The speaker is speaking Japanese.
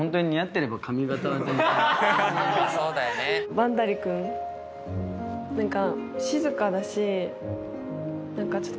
バンダリ君何か。